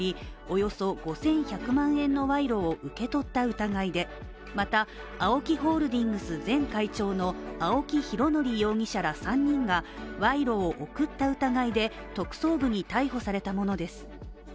およそ５１００万円の賄賂を受け取った疑いでまた、ＡＯＫＩホールディングス前会長の青木拡憲容疑者ら３人が賄賂を贈った疑いで特捜部に逮捕されたものです。